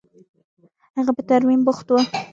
هغه په ترميم بوخت و.